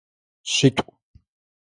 Шъитӏу.